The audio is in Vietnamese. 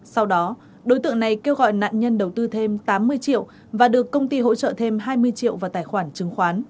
sau đó đối tượng này kêu gọi nạn nhân đầu tư thêm tám mươi triệu và được công ty hỗ trợ thêm hai mươi triệu